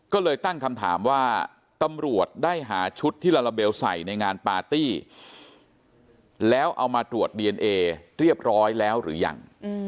ก็เลยตั้งคำถามว่าตำรวจได้หาชุดที่ลาลาเบลใส่ในงานปาร์ตี้แล้วเอามาตรวจดีเอนเอเรียบร้อยแล้วหรือยัง